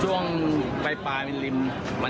จึงไม่ได้เอดในแม่น้ำ